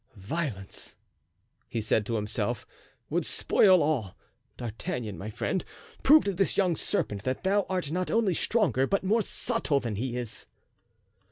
"Violence," he said to himself, "would spoil all; D'Artagnan, my friend, prove to this young serpent that thou art not only stronger, but more subtle than he is."